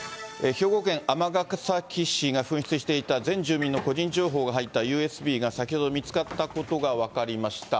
兵庫県尼崎市が紛失していた、全住民の個人情報が入ったＵＳＢが先ほど見つかったことが分かりました。